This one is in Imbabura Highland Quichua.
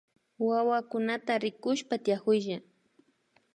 Wawakunata rikushpa tiakuylla